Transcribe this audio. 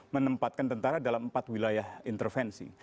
menempatkan tentara dalam empat wilayah intervensi